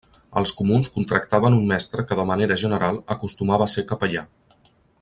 Els comuns contractaven un mestre que de manera general acostumava a ser capellà.